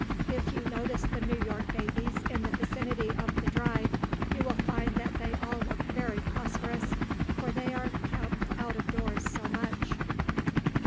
If you notice the New York babies in the vicinity of the Drive, you will find that they all look very prosperous, for they are kept out of doors so much.